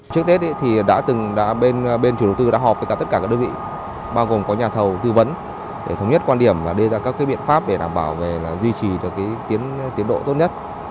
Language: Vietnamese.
trước tết thì đã từng bên chủ đầu tư đã họp với tất cả các đơn vị bao gồm có nhà thầu tư vấn để thống nhất quan điểm và đưa ra các biện pháp để đảm bảo về duy trì được tiến độ tốt nhất